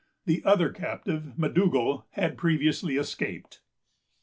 The other captive, M'Dougal, had previously escaped.